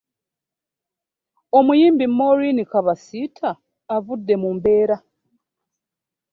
Omuyimbi Moureen Kabasita avudde mu mbeera